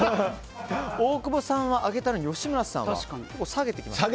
大久保さんは上げたのに吉村さんは下げてきましたね。